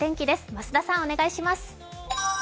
増田さん、お願いします。